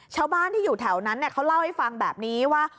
ชาวบ้านที่อยู่แถวนั้นเขาเล่าให้ฟังแบบนี้ว่า